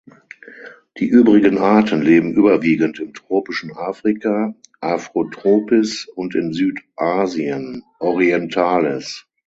Die übrigen Arten leben überwiegend im tropischen Afrika (Afrotropis) und in Südasien (Orientalis).